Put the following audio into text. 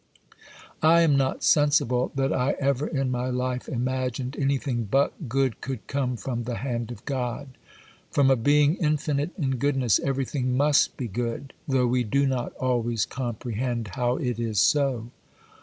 I am not sensible that I ever in my life imagined anything but good could come from the hand of God. From a Being infinite in goodness everything must be good, though we do not always comprehend how it is so.